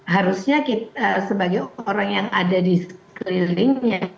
harusnya kita sebagai orang yang ada di sekelilingnya